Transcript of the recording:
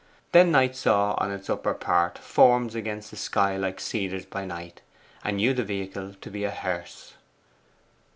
Then Knight saw on its upper part forms against the sky like cedars by night, and knew the vehicle to be a hearse.